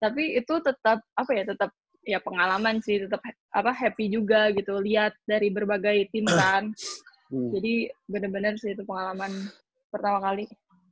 tapi itu tetap apa ya tetap ya pengalaman sih tetap happy juga gitu lihat dari berbagai tim kan jadi bener bener pengalaman pertama kali